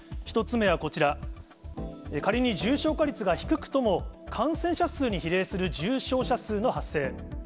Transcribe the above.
１つ目はこちら、仮に重症化率が低くとも、感染者数に比例する重症者数の発生。